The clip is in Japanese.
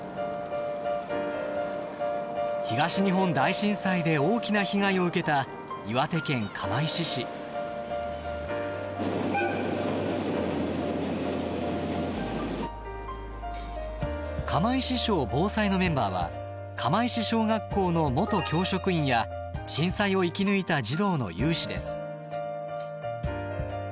東日本大震災で大きな被害を受けた釜石小ぼうさいのメンバーは釜石小学校の元教職員や震災を生き抜いた児童の有志です。